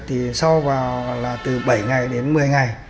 thì so vào là từ bảy ngày đến một mươi ngày